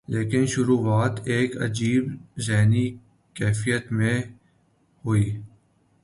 لیکن شروعات ایک عجیب ذہنی کیفیت میں ہوئی۔